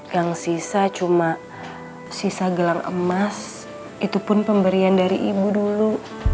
yang sisa cuma sisa gelang emas itu pun pemberian dari ibu dulu